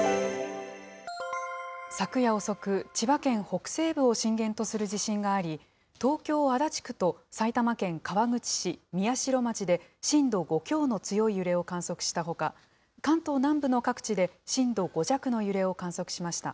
昨夜遅く、千葉県北西部を震源とする地震があり、東京・足立区と埼玉県川口市、宮代町で震度５強の強い揺れを観測したほか、関東南部の各地で震度５弱の揺れを観測しました。